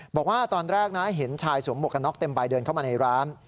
บอกว่าตอนแรกนะเห็นชายสวมหมวกกันน็อกเต็มใบเดินเข้ามาในร้าน